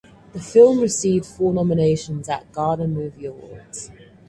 The film received four nominations at Ghana Movie Awards.